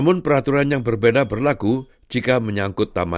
supaya orang bisa mengambil beban dengan cepat